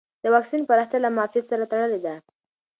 د واکسین پراختیا له معافیت سره تړلې ده.